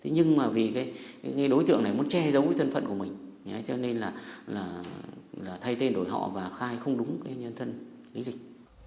nhưng mà vì đối tượng này muốn che giấu thân phận của mình cho nên là thay tên đổi họ và khai không đúng nhân thân lý lịch